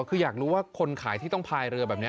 คืออยากรู้ว่าคนขายที่ต้องพายเรือแบบนี้